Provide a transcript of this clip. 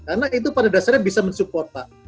karena itu pada dasarnya bisa mensupport pak